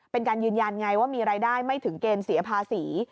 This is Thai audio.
เป็นการยืนยันไงว่ามีรายได้ไม่ถึงเกณฑ์เสียภาษี